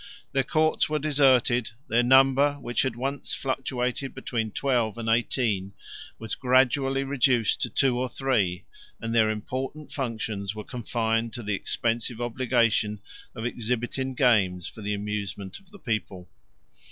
Their courts were deserted, their number, which had once fluctuated between twelve and eighteen, 106 was gradually reduced to two or three, and their important functions were confined to the expensive obligation 107 of exhibiting games for the amusement of the people.